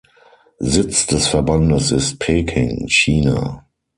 Sitz des Verbandes ist Peking, China.